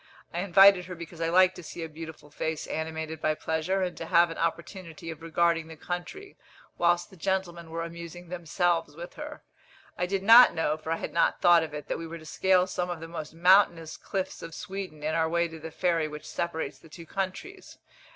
I invited her because I like to see a beautiful face animated by pleasure, and to have an opportunity of regarding the country, whilst the gentlemen were amusing themselves with her. I did not know, for I had not thought of it, that we were to scale some of the most mountainous cliffs of Sweden in our way to the ferry which separates the two countries.